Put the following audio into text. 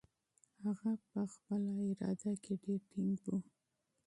هغه په خپله اراده کې ډېر ټینګ و.